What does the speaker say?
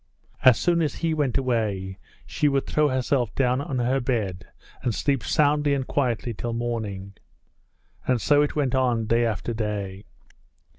As soon as he went away she would throw herself down on her bed and sleep soundly and quietly till morning. And so it went on day after day.